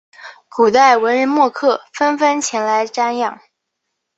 古代文人墨客纷纷前来瞻仰。